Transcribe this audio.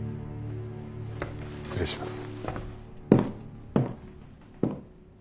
失礼します。